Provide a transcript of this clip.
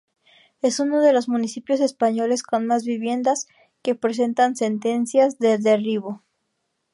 Es uno de los municipios españoles con más viviendas que presentan sentencias de derribo.